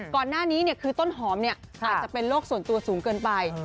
ก่อนหน้านี้คือต้นหอมอาจจะเป็นโรคส่วนตัวสูงเกินไป